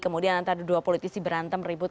kemudian antara dua politisi berantem ribut